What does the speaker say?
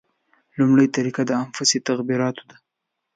لومړۍ طریقه د انفسي تغییراتو ده.